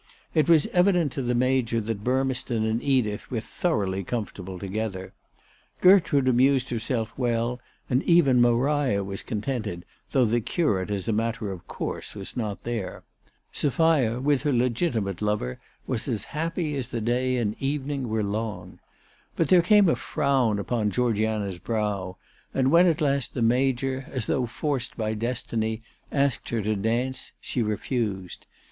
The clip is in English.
It was evident to the Major that Burmeston and Edith were thoroughly comfortable together. Gertrude amused herself well, and even Maria was contented, though the curate as a matter of course was not there. Sophia with her legitimate lover was as happy as the day and evening were long. But there came a frown upon Georgiana's brow, and when at last the Major, as though forced by destiny, asked her to dance, she refused.